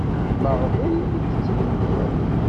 Maɣef ur iyi-tetthenniḍ?